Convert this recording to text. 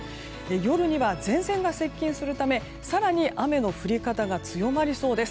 夜には、前線が接近するため更に雨の降り方が強まりそうです。